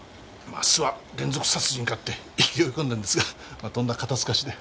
まあすわ連続殺人かって勢い込んだんですがとんだ肩すかしで。